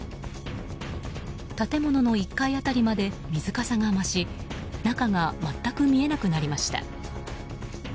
建物の１階辺りまで水かさが増し中が全く見えなくなりました。